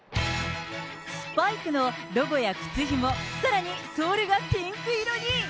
スパイクのロゴや靴ひも、さらにソールがピンク色に。